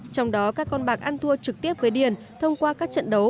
trong đó các con bạc ăn thua trực tiếp với điền thông qua các trận đấu